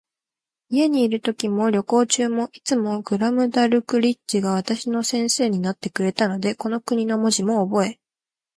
家にいるときも、旅行中も、いつもグラムダルクリッチが私の先生になってくれたので、この国の文字もおぼえ、